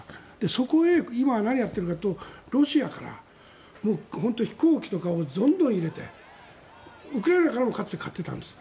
そこへ今何やっているかというとロシアから飛行機とかをどんどん入れてウクライナからもかつて、買ってたんです。